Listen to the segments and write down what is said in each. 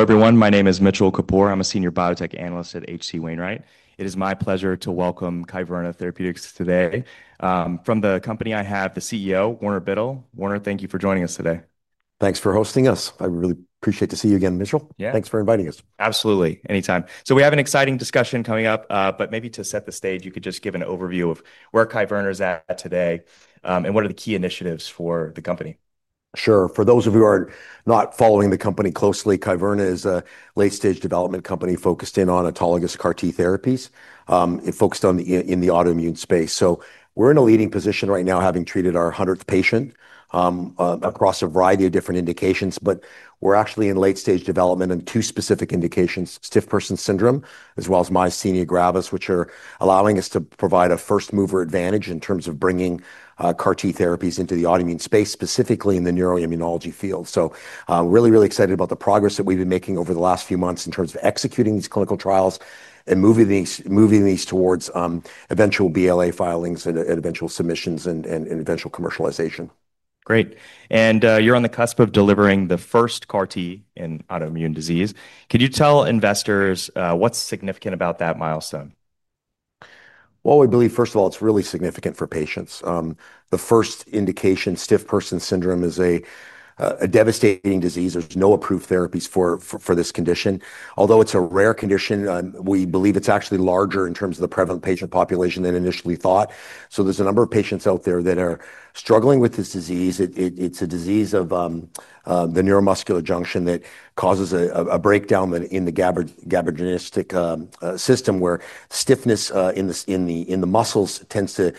Hello everyone, my name is Mitchell Kapoor. I'm a Senior Biotech Analyst at HC Wainwright. It is my pleasure to welcome Kyverna Therapeutics today. From the company, I have the CEO, Warner Biddle. Warner, thank you for joining us today. Thanks for hosting us. I really appreciate to see you again, Mitchell. Yeah, thanks for inviting us. Absolutely, anytime. We have an exciting discussion coming up, but maybe to set the stage, you could just give an overview of where Kyverna is at today, and what are the key initiatives for the company? Sure. For those of you who are not following the company closely, Kyverna is a late-stage development company focused in on autologous CAR-T cell therapies. It is focused on the, in the autoimmune space. We're in a leading position right now, having treated our 100th patient across a variety of different indications, but we're actually in late-stage development on two specific indications: Stiff Person Syndrome, as well as Myasthenia Gravis, which are allowing us to provide a first-mover advantage in terms of bringing CAR-T cell therapies into the autoimmune space, specifically in the neuroimmunology field. Really, really excited about the progress that we've been making over the last few months in terms of executing these clinical trials and moving these towards eventual BLA filings and eventual submissions and eventual commercialization. Great. You're on the cusp of delivering the first CAR-T in autoimmune disease. Can you tell investors what's significant about that milestone? First of all, it's really significant for patients. The first indication, Stiff Person Syndrome, is a devastating disease. There's no approved therapies for this condition. Although it's a rare condition, we believe it's actually larger in terms of the prevalent patient population than initially thought. There's a number of patients out there that are struggling with this disease. It's a disease of the neuromuscular junction that causes a breakdown in the GABAergic system where stiffness in the muscles tends to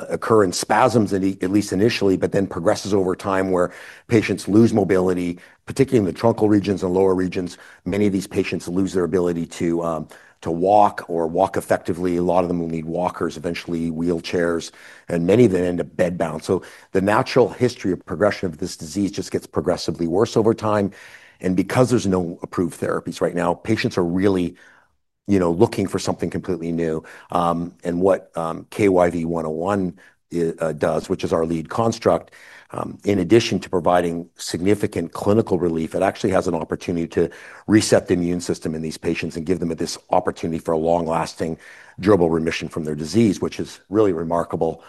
occur in spasms at least initially, but then progresses over time where patients lose mobility, particularly in the truncal regions and lower regions. Many of these patients lose their ability to walk or walk effectively. A lot of them will need walkers, eventually wheelchairs, and many of them end up bedbound. The natural history of progression of this disease just gets progressively worse over time. Because there's no approved therapies right now, patients are really looking for something completely new. What KYV-101 does, which is our lead construct, in addition to providing significant clinical relief, it actually has an opportunity to reset the immune system in these patients and give them this opportunity for a long-lasting, durable remission from their disease, which is really remarkable,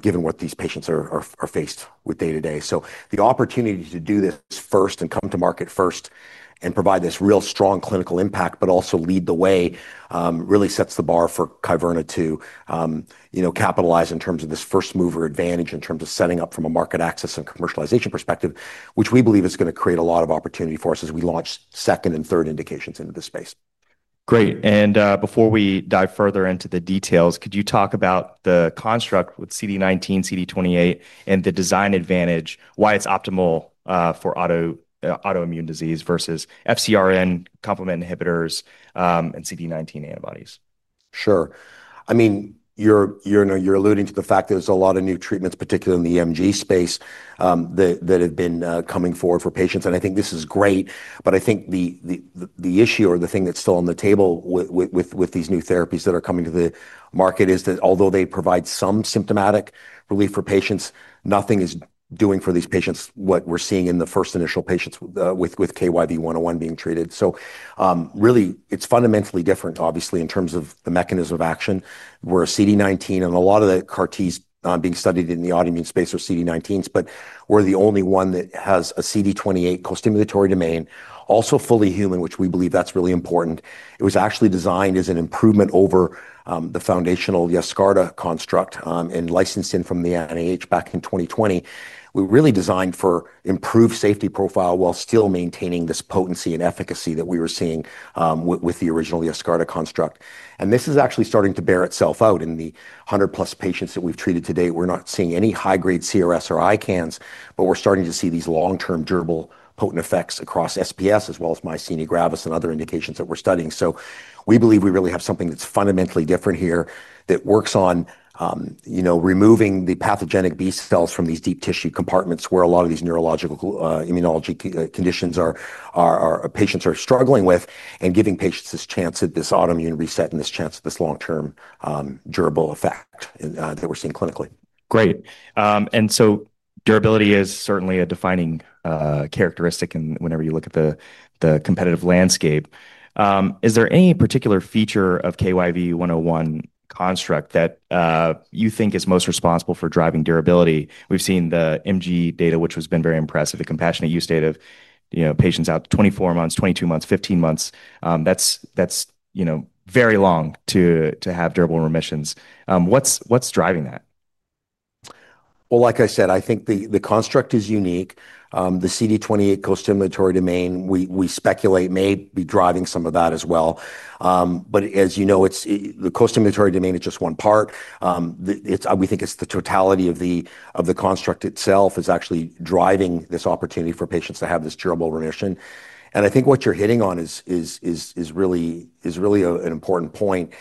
given what these patients are faced with day to day. The opportunity to do this first and come to market first and provide this real strong clinical impact, but also lead the way, really sets the bar for Kyverna to capitalize in terms of this first-mover advantage in terms of setting up from a market access and commercialization perspective, which we believe is going to create a lot of opportunity for us as we launch second and third indications into this space. Great. Before we dive further into the details, could you talk about the construct with CD19, CD28, and the design advantage, why it's optimal for autoimmune disease versus FcRn complement inhibitors and CD19 antibodies? Sure. I mean, you're alluding to the fact that there's a lot of new treatments, particularly in the MG space, that have been coming forward for patients. I think this is great, but I think the issue or the thing that's still on the table with these new therapies that are coming to the market is that although they provide some symptomatic relief for patients, nothing is doing for these patients what we're seeing in the first initial patients with KYV-101 being treated. It's fundamentally different, obviously, in terms of the mechanism of action. We're a CD19, and a lot of the CAR-Ts being studied in the autoimmune space are CD19s, but we're the only one that has a CD28 co-stimulatory domain, also fully human, which we believe is really important. It was actually designed as an improvement over the foundational Yescarta construct, and licensed in from the NIH back in 2020. We really designed for improved safety profile while still maintaining this potency and efficacy that we were seeing with the original Yescarta construct. This is actually starting to bear itself out in the 100+ patients that we've treated to date. We're not seeing any high-grade CRS or ICANS, but we're starting to see these long-term durable potent effects across SPS, as well as Myasthenia Gravis and other indications that we're studying. We believe we really have something that's fundamentally different here that works on removing the pathogenic B cells from these deep tissue compartments where a lot of these neuroimmunology conditions are, patients are struggling with and giving patients this chance at this autoimmune reset and this chance at this long-term, durable effect that we're seeing clinically. Great. Durability is certainly a defining characteristic whenever you look at the competitive landscape. Is there any particular feature of KYV-101 construct that you think is most responsible for driving durability? We've seen the MG data, which has been very impressive, the compassionate use data of patients out 24 months, 22 months, 15 months. That's very long to have durable remissions. What's driving that? I think the construct is unique. The CD28 co-stimulatory domain, we speculate, may be driving some of that as well. As you know, the co-stimulatory domain is just one part. We think it's the totality of the construct itself that is actually driving this opportunity for patients to have this durable remission. I think what you're hitting on is really an important point.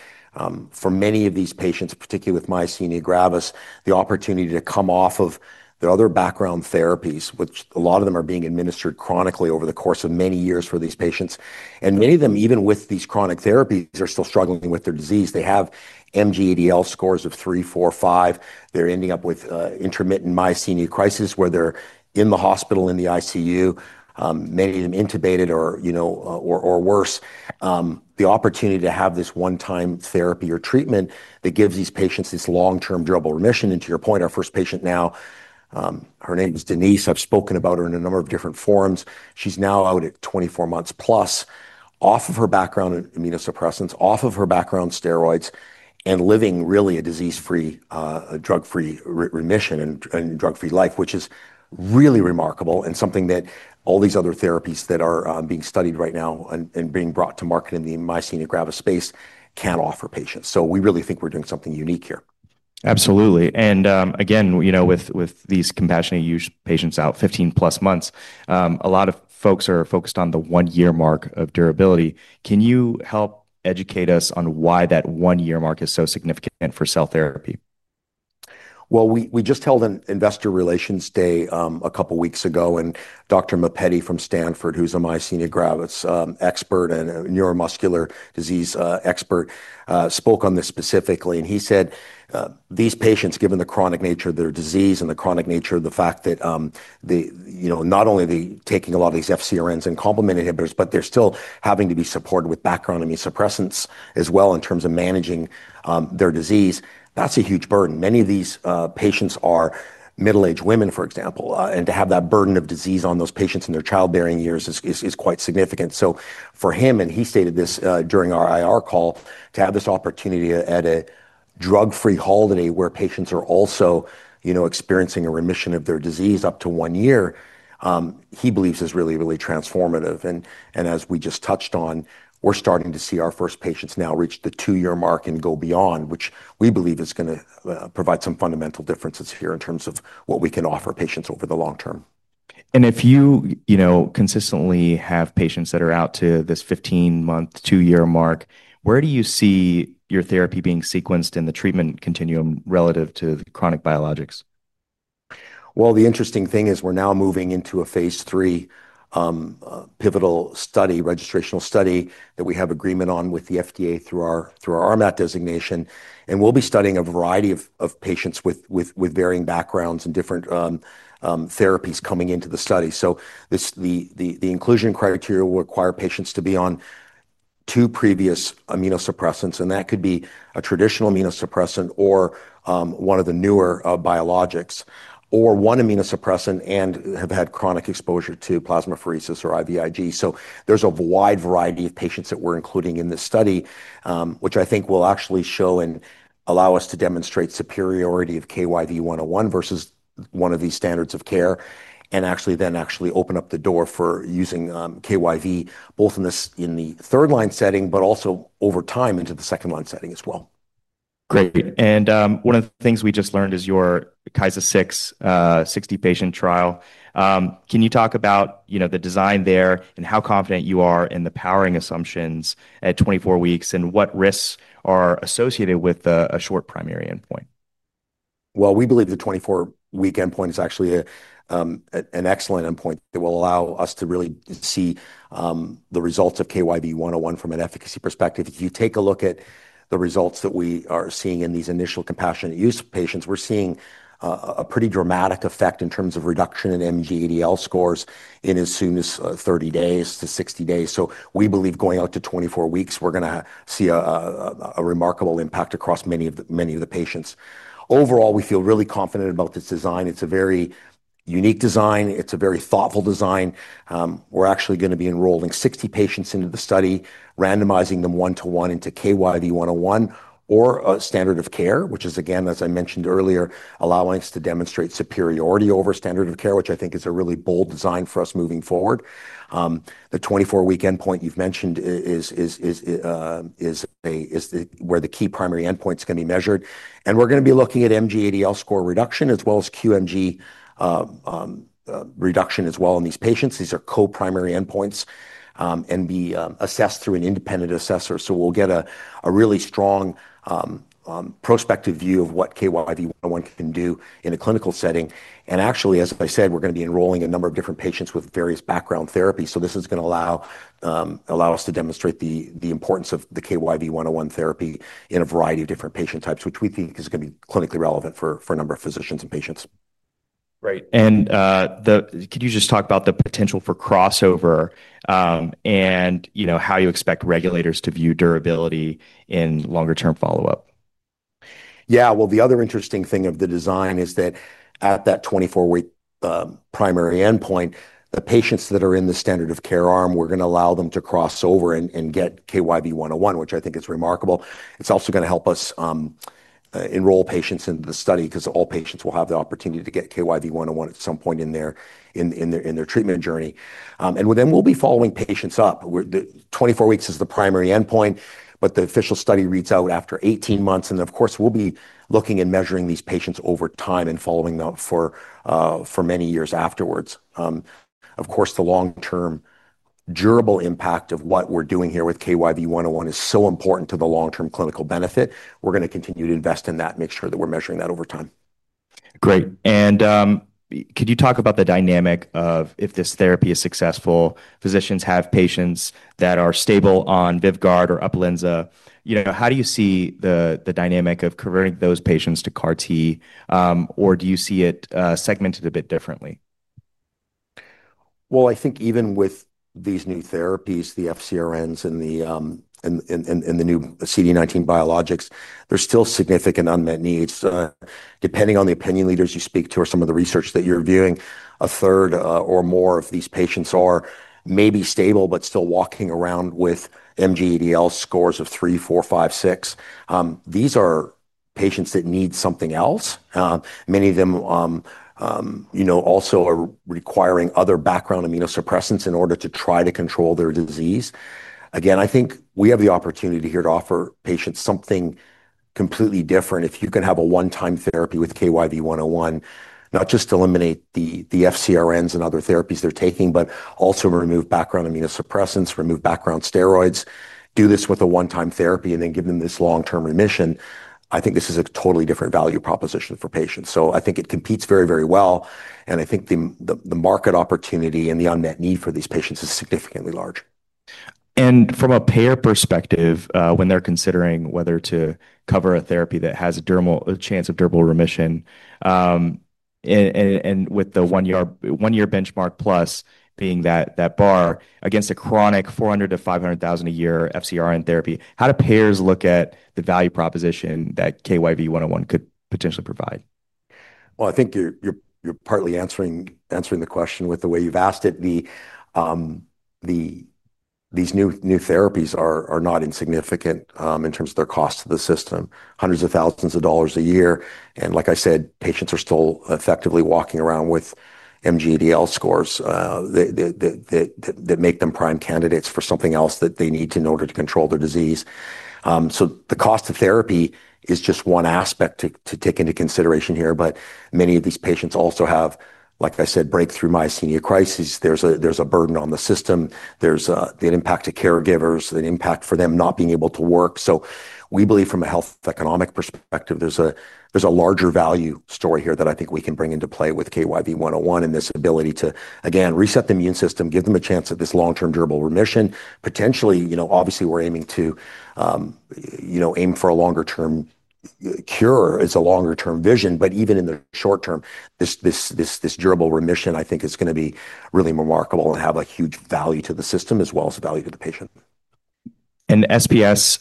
For many of these patients, particularly with Myasthenia Gravis, the opportunity to come off of their other background therapies, which a lot of them are being administered chronically over the course of many years, is significant. Many of them, even with these chronic therapies, are still struggling with their disease. They have MGADL scores of 3, 4, 5. They're ending up with intermittent Myasthenia crisis where they're in the hospital, in the ICU, many of them intubated or, you know, or worse. The opportunity to have this one-time therapy or treatment that gives these patients this long-term durable remission is remarkable. To your point, our first patient now, her name is Denise. I've spoken about her in a number of different forums. She's now out at 24 months plus off of her background immunosuppressants, off of her background steroids, and living really a disease-free, drug-free remission and drug-free life, which is really remarkable and something that all these other therapies that are being studied right now and being brought to market in the Myasthenia Gravis space can't offer patients. We really think we're doing something unique here. Absolutely. Again, you know, with these compassionate use patients out 15 plus months, a lot of folks are focused on the one-year mark of durability. Can you help educate us on why that one-year mark is so significant for cell therapy? We just held an investor relations day a couple of weeks ago, and Dr. Mappetti from Stanford, who's a Myasthenia Gravis expert and a neuromuscular disease expert, spoke on this specifically. He said these patients, given the chronic nature of their disease and the chronic nature of the fact that not only are they taking a lot of these FcRn inhibitors and complement inhibitors, but they're still having to be supported with background immunosuppressants as well in terms of managing their disease. That's a huge burden. Many of these patients are middle-aged women, for example, and to have that burden of disease on those patients in their childbearing years is quite significant. For him, and he stated this during our IR call, to have this opportunity at a drug-free holiday where patients are also experiencing a remission of their disease up to one year, he believes is really, really transformative. As we just touched on, we're starting to see our first patients now reach the two-year mark and go beyond, which we believe is going to provide some fundamental differences here in terms of what we can offer patients over the long term. If you consistently have patients that are out to this 15-month, two-year mark, where do you see your therapy being sequenced in the treatment continuum relative to the chronic biologics? The interesting thing is we're now moving into a Phase 3 pivotal, registrational study that we have agreement on with the FDA through our RMAT designation. We'll be studying a variety of patients with varying backgrounds and different therapies coming into the study. The inclusion criteria will require patients to be on two previous immunosuppressants, and that could be a traditional immunosuppressant or one of the newer biologics, or one immunosuppressant and have had chronic exposure to plasmapheresis or IVIG. There's a wide variety of patients that we're including in this study, which I think will actually show and allow us to demonstrate superiority of KYV-101 versus one of these standards of care and actually then open up the door for using KYV both in the third line setting, but also over time into the second line setting as well. Great. One of the things we just learned is your KYSA 6, 60 patient trial. Can you talk about the design there and how confident you are in the powering assumptions at 24 weeks and what risks are associated with a short primary endpoint? We believe the 24-week endpoint is actually an excellent endpoint that will allow us to really see the results of KYV-101 from an efficacy perspective. If you take a look at the results that we are seeing in these initial compassionate use patients, we're seeing a pretty dramatic effect in terms of reduction in MGADL scores in as soon as 30 days to 60 days. We believe going out to 24 weeks, we're going to see a remarkable impact across many of the patients. Overall, we feel really confident about this design. It's a very unique design. It's a very thoughtful design. We're actually going to be enrolling 60 patients into the study, randomizing them one-to-one into KYV-101 or a standard of care, which is, again, as I mentioned earlier, allowing us to demonstrate superiority over standard of care, which I think is a really bold design for us moving forward. The 24-week endpoint you've mentioned is where the key primary endpoint is going to be measured. We're going to be looking at MGADL score reduction as well as QMG reduction as well in these patients. These are co-primary endpoints, and will be assessed through an independent assessor. We'll get a really strong, prospective view of what KYV-101 can do in a clinical setting. Actually, as I said, we're going to be enrolling a number of different patients with various background therapies. This is going to allow us to demonstrate the importance of the KYV-101 therapy in a variety of different patient types, which we think is going to be clinically relevant for a number of physicians and patients. Right. Could you just talk about the potential for crossover, and how you expect regulators to view durability in longer-term follow-up? Yeah. The other interesting thing of the design is that at that 24-week primary endpoint, the patients that are in the standard of care arm, we're going to allow them to cross over and get KYV-101, which I think is remarkable. It's also going to help us enroll patients in the study because all patients will have the opportunity to get KYV-101 at some point in their treatment journey. Then we'll be following patients up. The 24 weeks is the primary endpoint, but the official study reads out after 18 months. Of course, we'll be looking and measuring these patients over time and following them for many years afterwards. Of course, the long-term durable impact of what we're doing here with KYV-101 is so important to the long-term clinical benefit. We're going to continue to invest in that and make sure that we're measuring that over time. Great. Could you talk about the dynamic of if this therapy is successful, physicians have patients that are stable on Bivgard or Uplinza, you know, how do you see the dynamic of converting those patients to CAR-T, or do you see it segmented a bit differently? I think even with these new therapies, the FcRn inhibitors and the new CD19 antibodies, there's still significant unmet needs. Depending on the opinion leaders you speak to or some of the research that you're viewing, a third or more of these patients are maybe stable, but still walking around with MGADL scores of three, four, five, six. These are patients that need something else. Many of them also are requiring other background immunosuppressants in order to try to control their disease. I think we have the opportunity here to offer patients something completely different. If you can have a one-time therapy with KYV-101, not just eliminate the FcRn inhibitors and other therapies they're taking, but also remove background immunosuppressants, remove background steroids, do this with a one-time therapy, and then give them this long-term remission, I think this is a totally different value proposition for patients. I think it competes very, very well. I think the market opportunity and the unmet need for these patients is significantly large. From a payer perspective, when they're considering whether to cover a therapy that has a chance of durable remission, with the one year benchmark plus being that bar against a chronic $400,000 to $500,000 a year FcRn therapy, how do payers look at the value proposition that KYV-101 could potentially provide? I think you're partly answering the question with the way you've asked it. These new therapies are not insignificant in terms of their cost to the system, hundreds of thousands of dollars a year. Like I said, patients are still effectively walking around with MGADL scores that make them prime candidates for something else that they need in order to control their disease. The cost of therapy is just one aspect to take into consideration here, but many of these patients also have, like I said, breakthrough Myasthenia crises. There's a burden on the system. There's an impact to caregivers, an impact for them not being able to work. We believe from a health economic perspective, there's a larger value story here that I think we can bring into play with KYV-101 and this ability to, again, reset the immune system, give them a chance at this long-term durable remission. Potentially, you know, obviously we're aiming to, you know, aim for a longer-term cure is a longer-term vision, but even in the short term, this durable remission, I think, is going to be really remarkable and have a huge value to the system as well as value to the patient. SPS,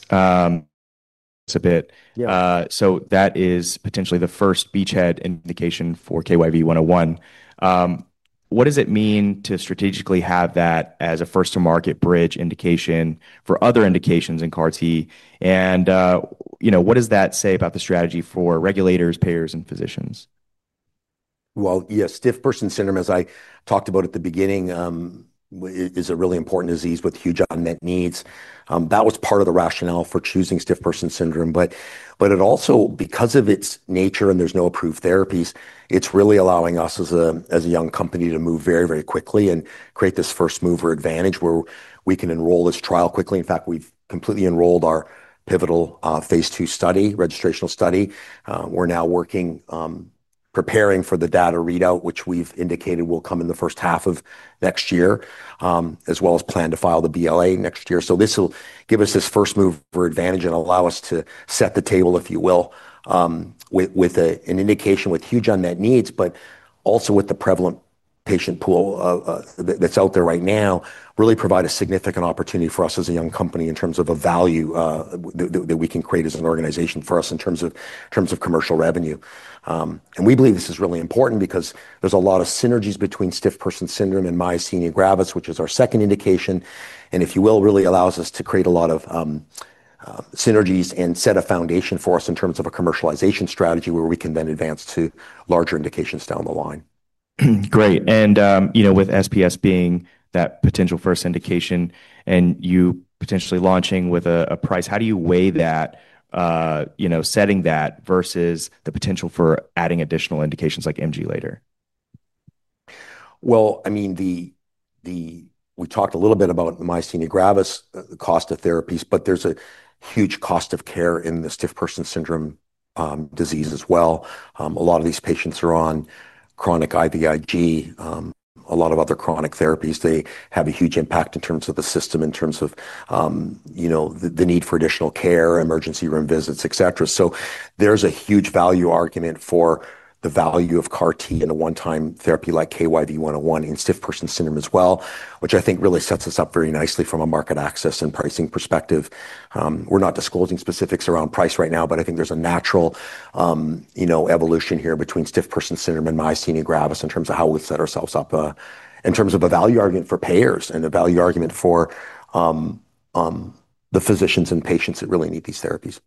a bit. That is potentially the first beachhead indication for KYV-101. What does it mean to strategically have that as a first-to-market bridge indication for other indications in CAR-T? What does that say about the strategy for regulators, payers, and physicians? Stiff Person Syndrome, as I talked about at the beginning, is a really important disease with huge unmet needs. That was part of the rationale for choosing Stiff Person Syndrome, but it also, because of its nature and there's no approved therapies, is really allowing us as a young company to move very, very quickly and create this first-mover advantage where we can enroll this trial quickly. In fact, we've completely enrolled our pivotal, Phase 2 study, registrational study. We're now working, preparing for the data readout, which we've indicated will come in the first half of next year, as well as plan to file the BLA next year. This will give us this first-mover advantage and allow us to set the table, if you will, with an indication with huge unmet needs, but also with the prevalent patient pool that's out there right now, really provide a significant opportunity for us as a young company in terms of a value that we can create as an organization for us in terms of commercial revenue. We believe this is really important because there's a lot of synergies between Stiff Person Syndrome and Myasthenia Gravis, which is our second indication, and, if you will, really allows us to create a lot of synergies and set a foundation for us in terms of a commercialization strategy where we can then advance to larger indications down the line. Great. With SPS being that potential first indication and you potentially launching with a price, how do you weigh that, setting that versus the potential for adding additional indications like MG later? We talked a little bit about the Myasthenia Gravis, the cost of therapies, but there's a huge cost of care in the Stiff Person Syndrome disease as well. A lot of these patients are on chronic IVIG, a lot of other chronic therapies. They have a huge impact in terms of the system, in terms of the need for additional care, emergency room visits, et cetera. There's a huge value argument for the value of CAR-T and a one-time therapy like KYV-101 in Stiff Person Syndrome as well, which I think really sets us up very nicely from a market access and pricing perspective. We're not disclosing specifics around price right now, but I think there's a natural evolution here between Stiff Person Syndrome and Myasthenia Gravis in terms of how we set ourselves up, in terms of a value argument for payers and a value argument for the physicians and patients that really need these therapies.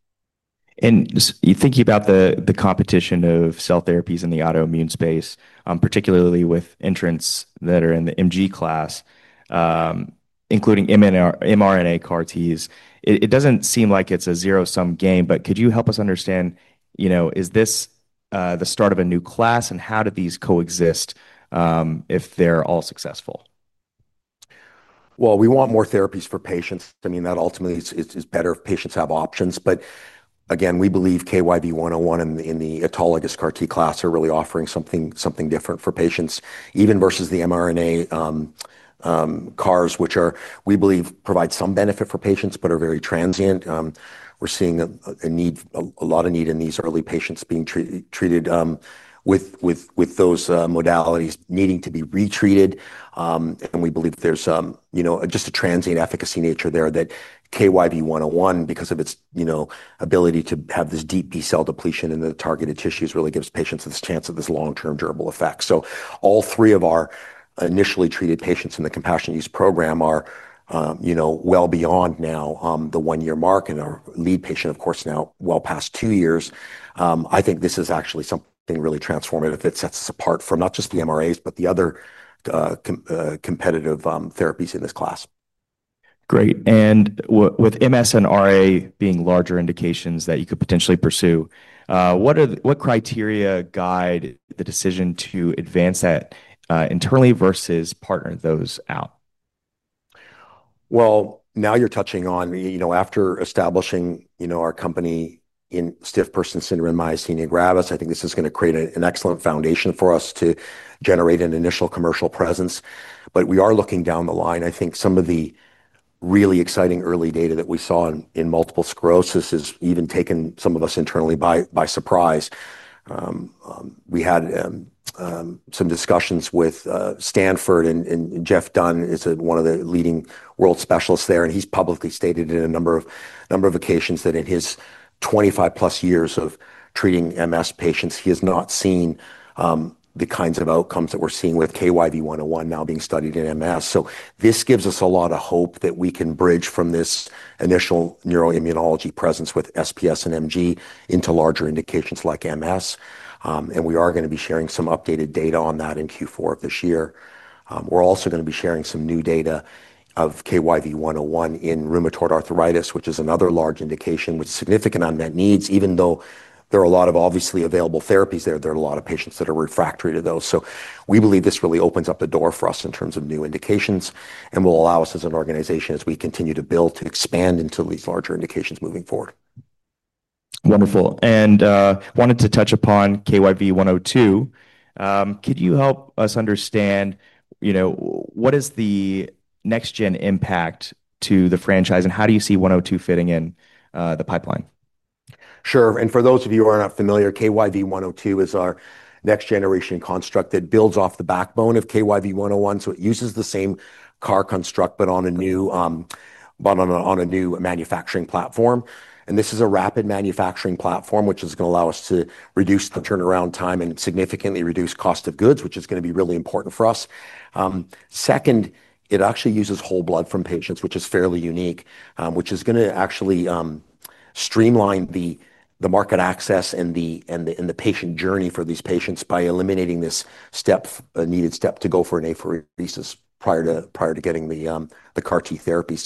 Thinking about the competition of cell therapies in the autoimmune space, particularly with entrants that are in the MG class, including mRNA CAR-Ts, it doesn't seem like it's a zero-sum game. Could you help us understand, is this the start of a new class and how do these coexist if they're all successful? We want more therapies for patients. That ultimately is better if patients have options. We believe KYV-101 and in the autologous CAR-T class are really offering something different for patients, even versus the mRNA CARs, which we believe provide some benefit for patients but are very transient. We're seeing a lot of need in these early patients being treated with those modalities needing to be retreated. We believe that there's just a transient efficacy nature there that KYV-101, because of its ability to have this deep B cell depletion in the targeted tissues, really gives patients this chance of this long-term durable effect. All three of our initially treated patients in the compassionate use program are well beyond now the one-year mark, and our lead patient, of course, now well past two years. I think this is actually something really transformative that sets us apart from not just the mRNAs but the other competitive therapies in this class. Great. With MS and RA being larger indications that you could potentially pursue, what criteria guide the decision to advance that internally versus partner those out? You're touching on, after establishing our company in Stiff Person Syndrome and Myasthenia Gravis, I think this is going to create an excellent foundation for us to generate an initial commercial presence. We are looking down the line. I think some of the really exciting early data that we saw in multiple sclerosis has even taken some of us internally by surprise. We had some discussions with Stanford, and Jeff Dunn is one of the leading world specialists there, and he's publicly stated on a number of occasions that in his 25+ years of treating MS patients, he has not seen the kinds of outcomes that we're seeing with KYV-101 now being studied in MS. This gives us a lot of hope that we can bridge from this initial neuroimmunology presence with SPS and MG into larger indications like MS. We are going to be sharing some updated data on that in Q4 of this year. We're also going to be sharing some new data of KYV-101 in rheumatoid arthritis, which is another large indication with significant unmet needs, even though there are a lot of obviously available therapies there. There are a lot of patients that are refractory to those. We believe this really opens up the door for us in terms of new indications and will allow us as an organization, as we continue to build, to expand into these larger indications moving forward. Wonderful. I wanted to touch upon KYV-102. Could you help us understand, you know, what is the next-gen impact to the franchise and how do you see 102 fitting in the pipeline? Sure. For those of you who are not familiar, KYV-102 is our next-generation construct that builds off the backbone of KYV-101. It uses the same CAR construct, but on a new manufacturing platform. This is a rapid manufacturing platform, which is going to allow us to reduce the turnaround time and significantly reduce cost of goods, which is going to be really important for us. Second, it actually uses whole blood from patients, which is fairly unique, which is going to actually streamline the market access and the patient journey for these patients by eliminating this step, a needed step to go for an apheresis prior to getting the CAR-T therapy.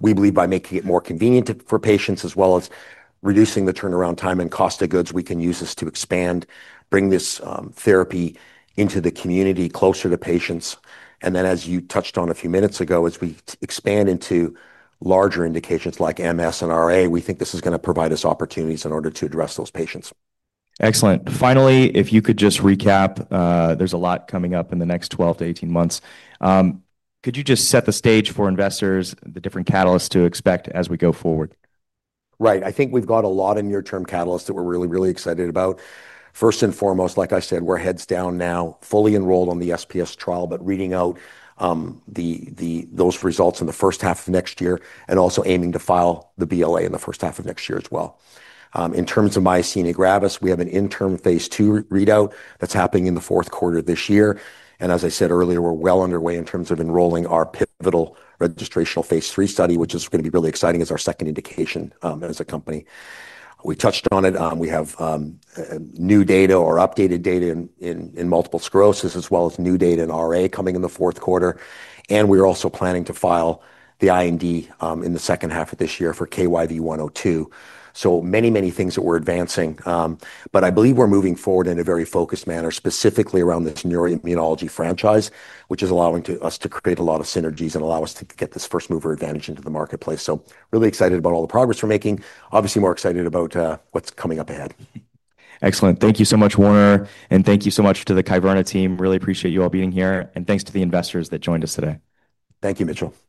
We believe by making it more convenient for patients, as well as reducing the turnaround time and cost of goods, we can use this to expand, bring this therapy into the community closer to patients. As you touched on a few minutes ago, as we expand into larger indications like MS and RA, we think this is going to provide us opportunities in order to address those patients. Excellent. Finally, if you could just recap, there's a lot coming up in the next 12 to 18 months. Could you just set the stage for investors, the different catalysts to expect as we go forward? Right. I think we've got a lot of near-term catalysts that we're really, really excited about. First and foremost, like I said, we're heads down now, fully enrolled on the SPS trial, but reading out those results in the first half of next year and also aiming to file the BLA in the first half of next year as well. In terms of Myasthenia Gravis, we have an interim Phase 2 readout that's happening in the fourth quarter of this year. As I said earlier, we're well underway in terms of enrolling our pivotal registrational Phase 3 study, which is going to be really exciting as our second indication as a company. We touched on it. We have new data or updated data in multiple sclerosis, as well as new data in RA coming in the fourth quarter. We are also planning to file the IND in the second half of this year for KYV-102. So many, many things that we're advancing. I believe we're moving forward in a very focused manner, specifically around this neuroimmunology franchise, which is allowing us to create a lot of synergies and allow us to get this first-mover advantage into the marketplace. Really excited about all the progress we're making. Obviously, more excited about what's coming up ahead. Excellent. Thank you so much, Warner, and thank you so much to the Kyverna team. Really appreciate you all being here. Thanks to the investors that joined us today. Thank you, Mitchell. Thanks.